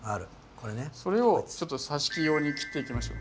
それをさし木用に切っていきましょう。